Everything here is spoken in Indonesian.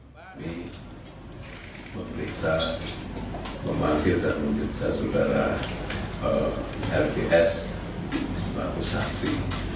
memanggil dan mengeksa saudara rps sebab usahasi